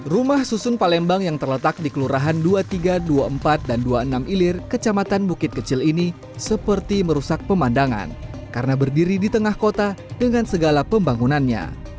rumah susun palembang yang terletak di kelurahan dua puluh tiga dua puluh empat dan dua puluh enam ilir kecamatan bukit kecil ini seperti merusak pemandangan karena berdiri di tengah kota dengan segala pembangunannya